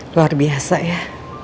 luar biasa ya